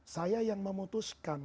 saya yang memutuskan